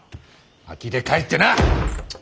あきれ返ってな！